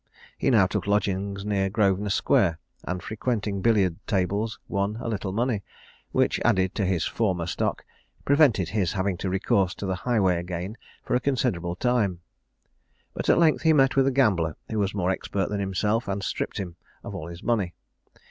He now took lodgings near Grosvenor square, and frequenting billiard tables won a little money, which, added to his former stock, prevented his having recourse to the highway again for a considerable time; but at length he met with a gambler who was more expert than himself, and stripped him of all his money.